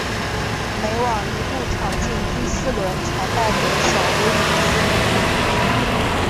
美网一路闯进第四轮才败给小威廉丝。